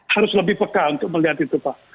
harus lebih peka untuk melihat itu pak